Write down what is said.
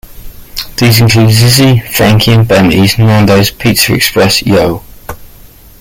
These include Zizzi, Frankie and Benny's, Nandos, PizzaExpress, Yo!